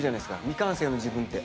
未完成の自分って。